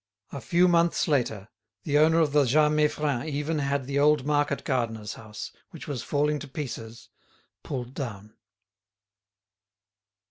A few months later, the owner of the Jas Meiffren even had the old market gardener's house, which was falling to pieces, pulled down.